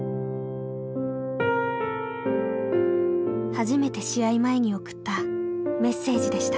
初めて試合前に送ったメッセージでした。